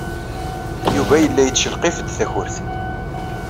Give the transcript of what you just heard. Yuba yella yettcelqif-d takurt.